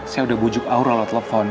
saya udah bujuk aura lo telpon